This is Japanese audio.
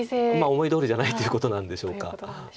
思いどおりじゃないということなんでしょうか。